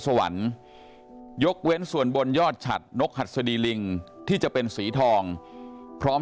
สวรรค์ยกเว้นส่วนบนยอดฉัดนกหัดสดีลิงที่จะเป็นสีทองพร้อม